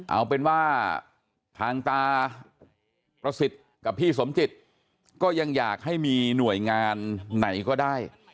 เอาเป็นว่าทางตาประสิทธิ์กับพี่สมจิตก็ยังอยากให้มีหน่วยงานไหนก็ได้